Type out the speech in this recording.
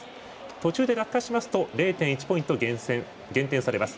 途中で落下しますと０．１ポイント減点されます。